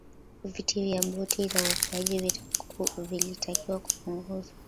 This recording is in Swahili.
viti vya boti za uokoaji vilitakiwa kupunguzwa